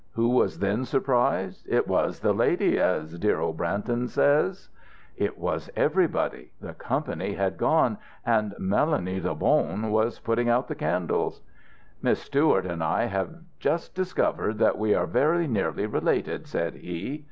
"'Who was then surprised? It was the lady,' as dear old Brantome says?" "It was everybody. The company had gone and Mélanie the bonne was putting out the candles. "'Miss Stewart and I have just discovered that we are very nearly related,' said he.